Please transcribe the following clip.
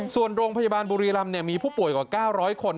ส่วนโรงพยาบาลบุรีรำมีผู้ป่วยกว่า๙๐๐คน